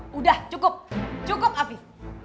sudah cukup cukup afif